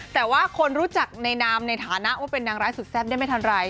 แต่ว่าคนรู้จักในนามในฐานะว่าเป็นนางร้ายสุดแซ่บได้ไม่ทันไร